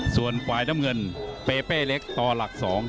ส่วนฝ่ายน้ำเงินเปเป้เล็กต่อหลัก๒